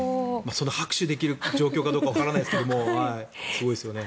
拍手できる状況かどうかわからないですがすごいですね。